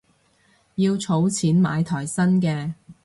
要儲錢買台新嘅